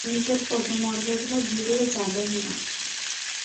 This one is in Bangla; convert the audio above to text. নিজেদের পদমর্যাদা ভুলে যাবেন না!